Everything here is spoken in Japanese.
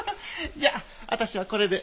じゃ私はこれで。